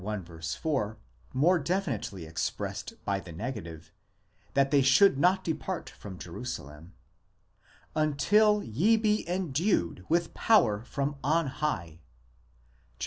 4, more definitely expressed by the negative, that they should not depart Jrom Jerusalem), until ye be endued with power from on high (xxiv.